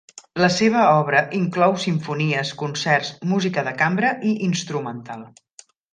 La seva obra inclou simfonies, concerts, música de cambra i instrumental.